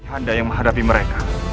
anda yang menghadapi mereka